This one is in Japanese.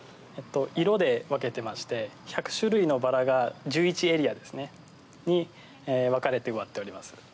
色で分けていまして１００種類のバラが１１エリアに分かれております。